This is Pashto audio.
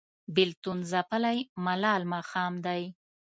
بیلتون ځپلی ملال ماښام دی